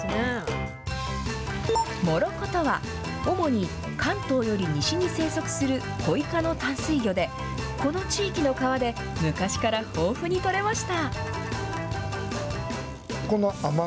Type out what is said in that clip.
もろことは、主に関東より西に生息するコイ科の淡水魚で、この地域の川で昔から豊富に取れました。